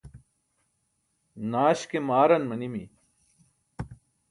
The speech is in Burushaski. Naaś ke maaran manimi.